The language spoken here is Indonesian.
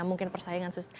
mungkin persaingan sus